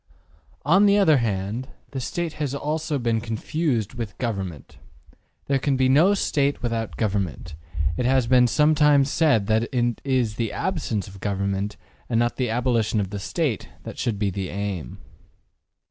``On the other hand, the STATE has also been confused with GOVERNMENT. As there can be no State without government, it has been sometimes said that it is the absence of government, and not the abolition of the State, that should be the aim.